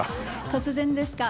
突然ですが。